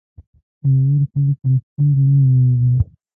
زړور خلک له ستونزو نه وېرېږي.